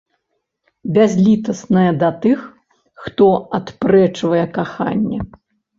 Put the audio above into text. Бязлітасная да тых, хто адпрэчвае каханне.